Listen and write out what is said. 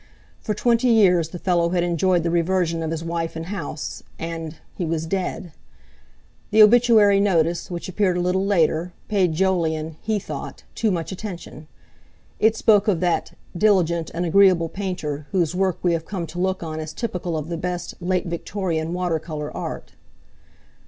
For twenty years the fellow had enjoyed the reversion of his wife and house, and—he was dead! The obituary notice, which appeared a little later, paid Jolyon—he thought—too much attention. It spoke of that "diligent and agreeable painter whose work we have come to look on as typical of the best late Victorian water colour art."